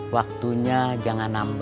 waktunya jangan nambah